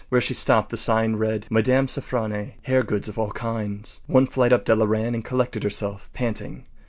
Where she stopped the sign read: “Mme. Sofronie. Hair Goods of All Kinds.” One flight up Della ran, and collected herself, panting.